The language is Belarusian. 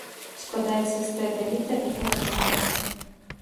Складаецца з тэадаліта і фотакамеры.